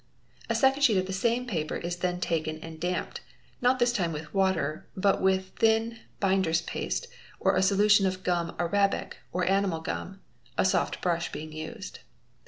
A second sheet of the same paper is then taken and damped, not this time with — water but with thin binders paste, or a solution of gum arabic or animal — gum, a soft brush being used.